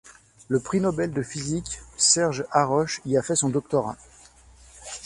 Le prix Nobel de physique Serge Haroche y a fait son doctorat.